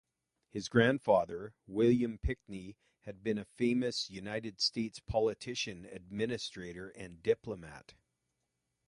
His grandfather, William Pinkney, had been a famous United States politician, administrator, and diplomat.